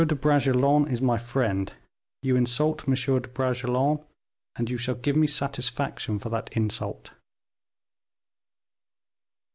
de Bragelonne is my friend, you insult M. de Bragelonne, and you shall give me satisfaction for that insult."